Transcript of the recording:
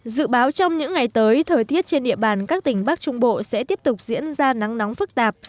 dự báo trong những ngày tới thời tiết trên địa bàn các tỉnh bắc trung bộ sẽ tiếp tục diễn ra nắng nóng phức tạp